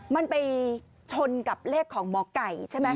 มันไปชนกับเลขของหมอไก่ใช่ไหม